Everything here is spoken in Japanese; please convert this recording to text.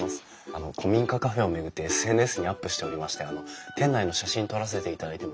あの古民家カフェを巡ってＳＮＳにアップしておりまして店内の写真撮らせていただいてもよろしいですか？